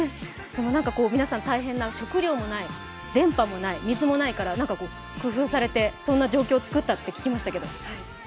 皆さん大変な、食料もない、電波もない、水もないから工夫されて、そんな状況を作ったとお聞きしましたが。